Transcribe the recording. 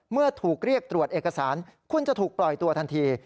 เมื่อถูกเรียกตรวจเอกสารคุณจะถูกปล่อยตัวทันที